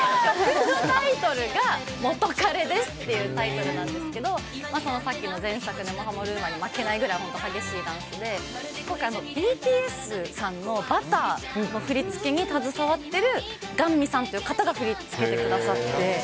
「元カレです」っていうタイトルなんですけどさっきの前作「根も葉もＲｕｍｏｒ」に負けないくらい激しいダンスでＢＴＳさんの「Ｂｕｔｔｅｒ」の振付に携わっているガンミさんという方が振り付けてくださって。